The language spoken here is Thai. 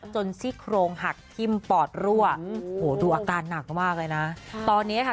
ซี่โครงหักทิ้มปอดรั่วโอ้โหดูอาการหนักมากเลยนะตอนนี้ค่ะ